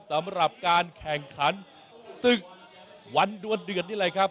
สำหรับการแข่งขันศึกวันดวนเดือดนี่แหละครับ